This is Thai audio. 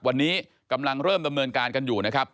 วันนี้กำลังเริ่มดำเนินการกันอยู่นะครับ